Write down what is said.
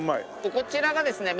こちらがですね